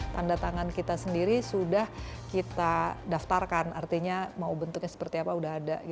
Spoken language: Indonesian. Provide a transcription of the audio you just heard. tanda tangan kita sendiri sudah kita daftarkan artinya mau bentuknya seperti apa sudah ada